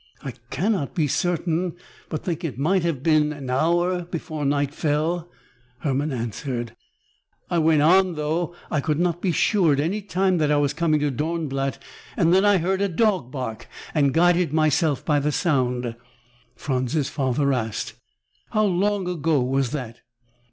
"I cannot be certain, but think it might have been an hour before night fell," Hermann answered. "I went on, though I could not be sure at any time that I was coming to Dornblatt. Then I heard a dog bark and guided myself by the sound." Franz's father asked, "How long ago was that?"